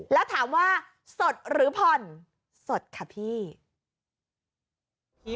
แล้วถามว่าสดหรือผ่อนสดค่ะพี่